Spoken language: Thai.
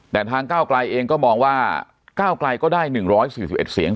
แต่ทางก้าวไกลเองก็มองว่าก้าวไกลก็ได้๑๔๑เสียง